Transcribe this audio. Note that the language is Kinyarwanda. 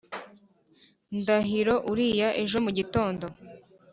ndahiro uriya ejo mu gitondo